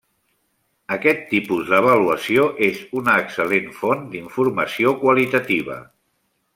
Aquest tipus d'avaluació és una excel·lent font d'informació qualitativa.